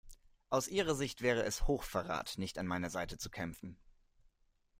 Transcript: Aus ihrer Sicht wäre es Hochverrat nicht an meiner Seite zu kämpfen.